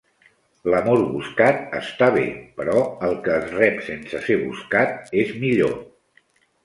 L'amor buscat està bé, però el que es rep sense ser buscat és millor.